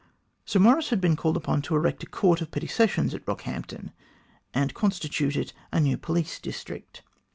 Sir Maurice had been called upon to erect a court of petty sessions at Eockhampton and con stitute it a new police district.